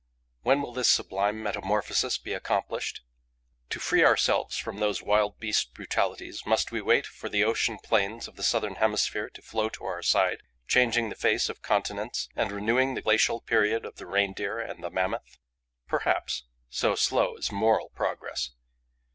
When will this sublime metamorphosis be accomplished? To free ourselves from those wild beast brutalities, must we wait for the ocean plains of the southern hemisphere to flow to our side, changing the face of continents and renewing the glacial period of the Reindeer and the Mammoth? Perhaps, so slow is moral progress.